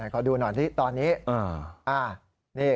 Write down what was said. ขอดูหน่อยดิตอนนี้